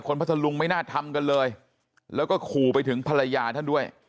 พัทธลุงไม่น่าทำกันเลยแล้วก็ขู่ไปถึงภรรยาท่านด้วย